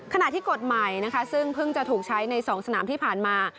ขณะที่กฎหมายนะคะซึ่งเพิ่งจะถูกใช้ใน๒สนามที่ผ่านมา